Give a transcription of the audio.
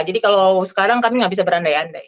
jadi kalau sekarang kami tidak bisa berandai andai